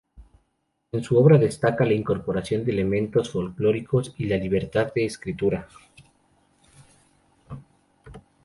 En su obra destaca la incorporación de elementos folclóricos y la libertad de escritura.